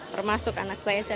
termasuk anak saya jan etes ya